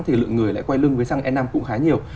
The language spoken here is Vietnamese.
thì lượng người lại quay lưng với xăng e năm cũng khá nhiều